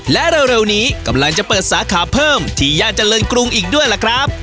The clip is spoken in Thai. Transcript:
และเร็วนี้กำลังจะเปิดสาขาเพิ่มที่ย่านเจริญกรุงอีกด้วยล่ะครับ